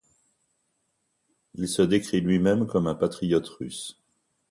Il se décrit lui-même comme un patriote russe .